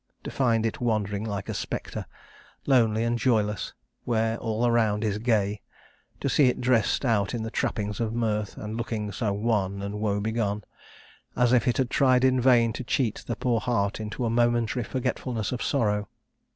To find it wandering like a spectre, lonely and joyless, where all around is gay to see it dressed out in the trappings of mirth, and looking so wan and woe begone, as if it had tried in vain to cheat the poor heart into a momentary forgetfulness of sorrow.